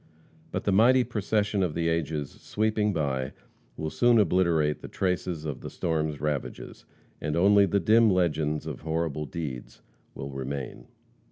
But the mighty procession of the ages, sweeping by, will soon obliterate the traces of the storm's ravages, and only the dim legends of horrible deeds will remain.